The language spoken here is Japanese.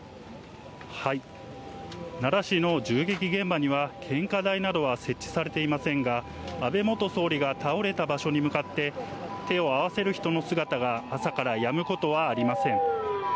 奈良市の銃撃現場には献花台などは設置されていませんが、安倍元総理が倒れた場所に向かって、手を合わせる人の姿が朝からやむことはありません。